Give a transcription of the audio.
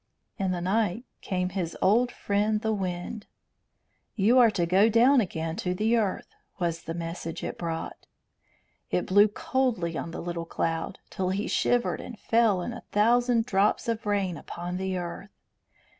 In the night came his old friend the wind. "You are to go down again to the earth," was the message it brought. It blew coldly on the little cloud till he shivered and fell in a thousand drops of rain upon the earth.